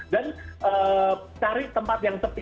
dan cari tempat yang sepi